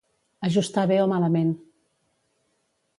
Ajustar bé o malament.